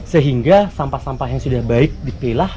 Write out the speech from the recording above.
sehingga sampah sampah yang sudah baik dipilah